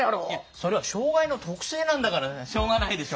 それは障害の特性なんだからしょうがないでしょ。